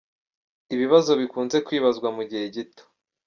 Ibibazo bikunze kwibazwa mugihe gito